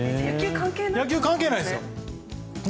野球関係ないんですよ。